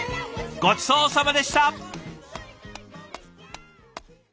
ごちそうさまでした。